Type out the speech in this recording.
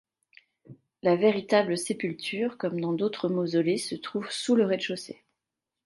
La véritable sépulture, comme dans d'autres mausolées, se trouve sous le rez-de-chaussée.